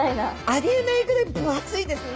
ありえないぐらい分厚いですね。